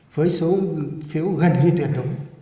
với số phiếu gần như tuyệt đối